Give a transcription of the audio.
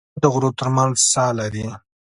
هېواد د غرو تر منځ ساه لري.